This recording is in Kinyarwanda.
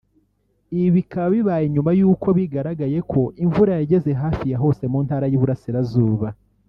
Ibi bikaba bibaye nyuma y’uko bigaragaye ko imvura yageze hafi ya hose mu Ntara y’Iburasirazuba